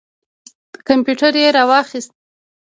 کمپیوټر یې را واخیست.